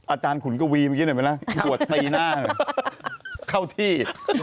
ขุนกวีเมื่อกี้หน่อยไหมล่ะบวชตีหน้าเข้าที่